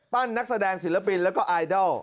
ปั้นนักแสดงศิลปินและก็ไอดอล